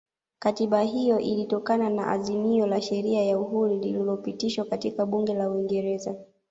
Katiba hiyo ilitokana na azimio la sheria ya uhuru lililopitishwa katika bunge la uingereza